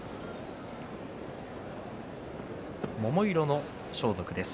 桃色の装束です。